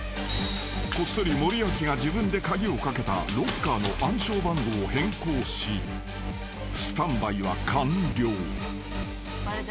［こっそり森脇が自分で鍵を掛けたロッカーの暗証番号を変更しスタンバイは完了］